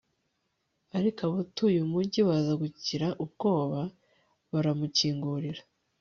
ariko abatuye umugi baza kugira ubwoba baramukingurira